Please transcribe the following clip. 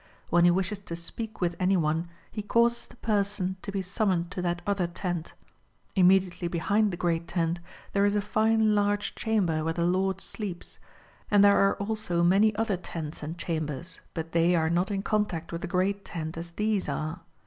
When he wishes to speak with any one he causes the person to be summoncid to that other tent. Lnmediately ])ehind the great tent there is a fine CiiAr. XX. now THE EMPEROR GOES HUNTING 405 large chamber where the Lord sleeps ; and there are also many other tents and chambers, but they are not in con tact with the Great Tent as these are.